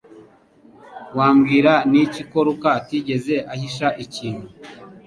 Wabwirwa n'iki ko Luka atigeze ahisha ikintu